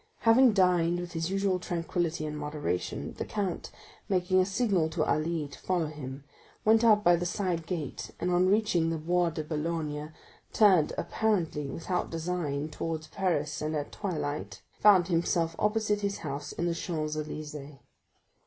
Having dined with his usual tranquillity and moderation, the count, making a signal to Ali to follow him, went out by the side gate and on reaching the Bois de Boulogne turned, apparently without design towards Paris and at twilight; found himself opposite his house in the Champs Élysées.